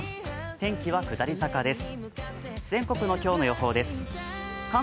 天気は下り坂です。